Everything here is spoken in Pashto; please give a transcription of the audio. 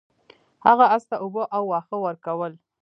هغه اس ته اوبه او واښه ورکول.